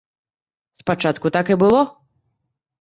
Спачатку так і было.